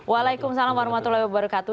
waalaikumsalam warahmatullahi wabarakatuh